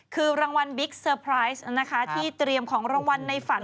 คือรางวัลบิ๊กเซอร์ไพรส์นะคะที่เตรียมของรางวัลในฝัน